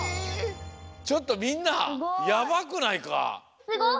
ちょっとみんなやばくないか？